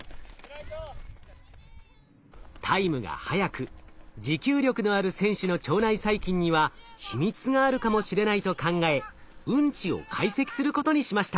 タイムが速く持久力のある選手の腸内細菌には秘密があるかもしれないと考えうんちを解析することにしました。